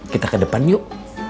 kita ke depan yuk